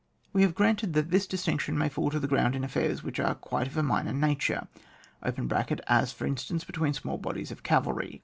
We have granted that this dis tinction may fall to the ground in affairs which are quite of a minor nature (as, for instance, between small bodies of cavalry).